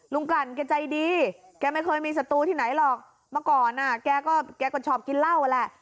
ลุงกลั่นแกใจดีแกไม่เคยมีสตูที่ไหนหรอกมาก่อนแกก็ชอบกินเหล้าแหละ